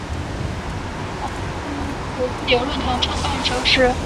奥斯陆自由论坛创办者是。